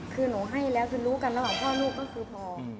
คือหนูให้แล้วคือรู้กันระหว่างพ่อลูกก็คือพอ